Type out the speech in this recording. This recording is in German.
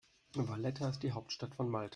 Valletta ist die Hauptstadt von Malta.